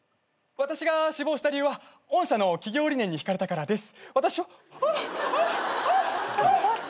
私が志望した理由は御社の企業理念に引かれたからです。